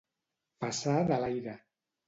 Passar de l'aire.